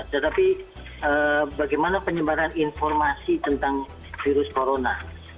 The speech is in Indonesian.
tetapi bagaimana penyebaran informasi tentang virus corona